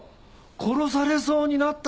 殺されそうになったんだぞ！